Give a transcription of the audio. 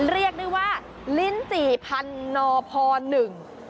เรียกได้ว่าลินจิพันธุ์นพหนึ่ง